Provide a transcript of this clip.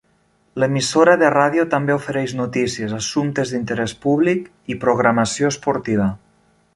L'emissora de ràdio també ofereix notícies, assumptes d'interès públic i programació esportiva.